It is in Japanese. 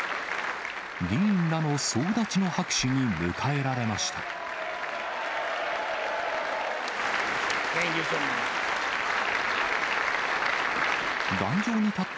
議員らの総立ちの拍手に迎えられました。